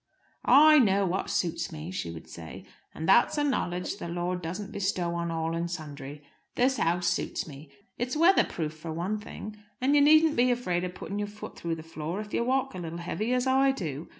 "I know what suits me," she would say. "And that's a knowledge the Lord doesn't bestow on all and sundry. This house suits me. It's weather proof for one thing. And you needn't be afraid of putting your foot through the floor if you walk a little heavy, as I do.